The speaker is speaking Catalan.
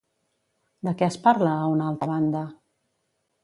De què es parla a una altra banda?